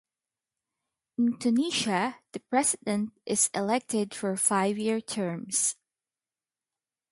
In Tunisia, the President is elected for five-year terms.